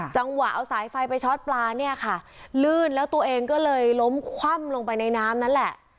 จังหวะเอาสายไฟไปช็อตปลาเนี่ยค่ะลื่นแล้วตัวเองก็เลยล้มคว่ำลงไปในน้ำนั่นแหละ